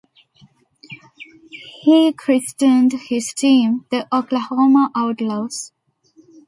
He christened his team the Oklahoma Outlaws.